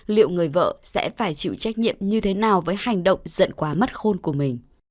liệu người vợ sẽ phải chịu trách nhiệm như thế nào với hành động giận quá mất khôn của mình